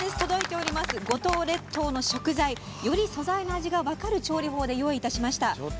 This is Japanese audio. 五島列島の食材。より素材の味が分かる調理法で用意いたしました。